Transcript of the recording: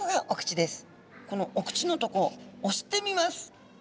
このお口のとこ押してみます。